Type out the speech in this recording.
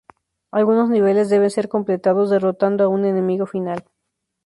Algunos niveles deben ser completados derrotando a un enemigo final.